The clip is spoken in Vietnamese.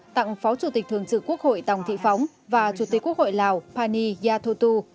tặng phó chủ tịch thường trực quốc hội tòng thị phóng và chủ tịch quốc hội lào pani yathotu